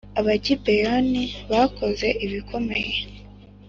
Abagibeyoni bakoze ibikomeye.